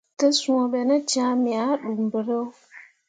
Te sũũ be ne cãã, me ah ɗuu mbǝro.